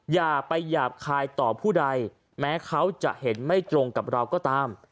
อย่าไปหยาบคายต่อผู้ใดแม้เขาจะเห็นไม่ตรงกับเราก็ตาม